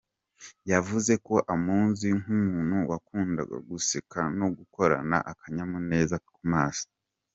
Yavuze ko amuzi nk’umuntu wakundaga guseka no guhorana akanyamuneza ku maso.